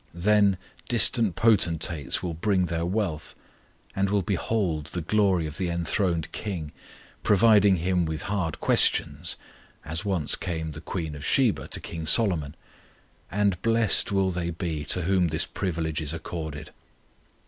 Then distant potentates will bring their wealth, and will behold the glory of the enthroned KING, proving Him with hard questions, as once came the Queen of Sheba to King Solomon; and blessed will they be to whom this privilege is accorded.